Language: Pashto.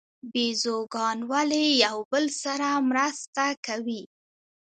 بیزوګان ولې یو بل سره مرسته کوي؟